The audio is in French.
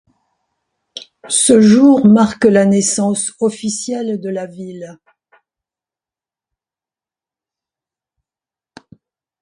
Ce jour marque la naissance officielle de la ville.